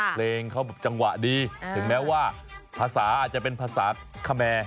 เพลงเขาบอกจังหวะดีถึงแม้ว่าภาษาอาจจะเป็นภาษาคแมร์